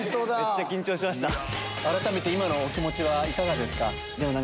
改めて今のお気持ちはいかがですか？